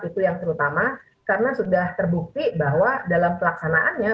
itu yang terutama karena sudah terbukti bahwa dalam pelaksanaannya